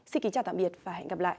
xin kính chào tạm biệt và hẹn gặp lại